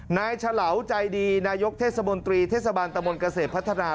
นายเฉลาใจดีนายกเทศบนตรีเทศบาลตะบนเกษตรพัฒนา